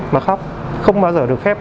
mà khóc không bao giờ được phép